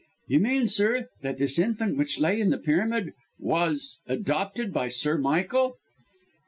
"You mean, sir, that this infant which lay in the pyramid was adopted by Sir Michael?"